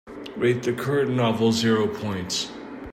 rate the current novel zero points